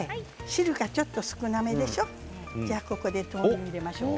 汁がちょっと少なめでしょう。